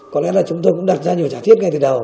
có lẽ là chúng tôi cũng đặt ra nhiều trả thiết ngay từ đầu